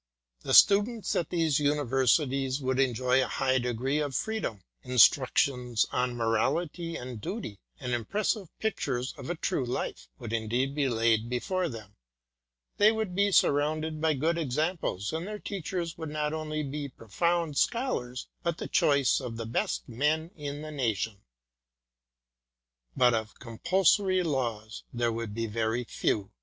The Students at these Universities would enjoy a high degree of freedom; instructions on morality and duty, and impressive pictures of a true life, would indeed be laid before them; they would be surrounded by good examples, and their teachers would not only be profound Scholars, but the choice of the best men in the nation ; but of compulsory laws there would be very few.